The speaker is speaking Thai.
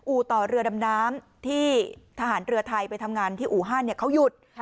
ต่อเรือดำน้ำที่ทหารเรือไทยไปทำงานที่อู่ฮันเขาหยุด